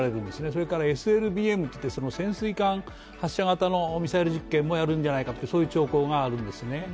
それからＳＬＢＭっていう潜水艦発射型のミサイル実験もやるんじゃないかっていう兆候もあるんですね。